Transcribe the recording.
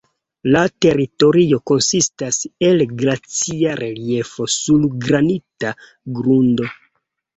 La teritorio konsistas el glacia reliefo sur granita grundo.